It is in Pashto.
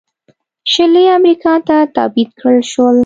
شلي امریکا ته تبعید کړل شول.